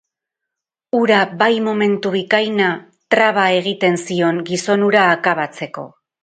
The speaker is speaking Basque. Hura bai momentu bikaina traba egiten zion gizon hura akabatzeko!